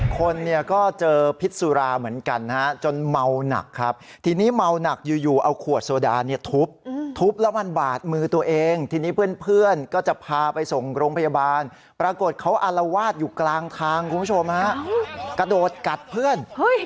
คนเนี่ยก็เจอพิษสุราเหมือนกันนะฮะจนเมาหนักครับทีนี้เมาหนักอยู่เอาขวดโซดาเนี่ยทุบทุบแล้วมันบาดมือตัวเองทีนี้เพื่อนก็จะพาไปส่งโรงพยาบาลปรากฏเขาอารวาสอยู่กลางทางคุณผู้ชมฮะกระโดดกัดเพื่อน